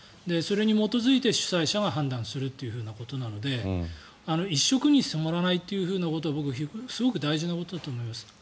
それに基づいて主催者が判断するということなので一色に染まらないということは僕、すごく大事なことだと思います。